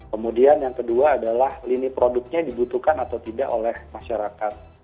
kemudian yang kedua adalah lini produknya dibutuhkan atau tidak oleh masyarakat